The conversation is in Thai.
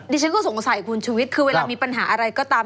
ดิฉันก็สงสัยคุณชุวิตคือเวลามีปัญหาอะไรก็ตาม